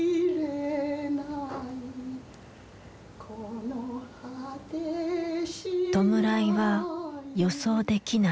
この「弔いは予想できない。